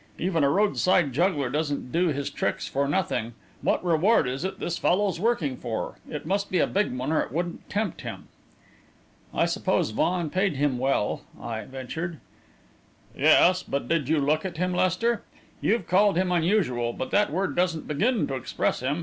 Even a roadside juggler doesn't do his tricks for nothing what reward is it this fellow's working for? It must be a big one, or it wouldn't tempt him." "I suppose Vaughan paid him well," I ventured. "Yes; but did you look at him, Lester? You've called him unusual, but that word doesn't begin to express him.